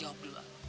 jawab dulu al